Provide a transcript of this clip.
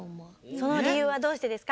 そのりゆうはどうしてですか？